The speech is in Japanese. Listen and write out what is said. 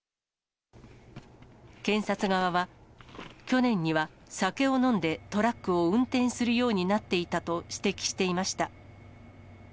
検察側は、去年には酒を飲んでトラックを運転するようになっていたと指摘していました。